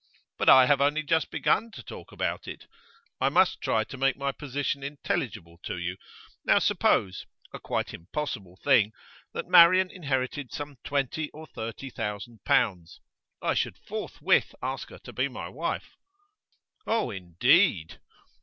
'But I have only just begun to talk about it; I must try to make my position intelligible to you. Now, suppose a quite impossible thing that Marian inherited some twenty or thirty thousand pounds; I should forthwith ask her to be my wife.' 'Oh indeed!